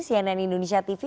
cnn indonesia tv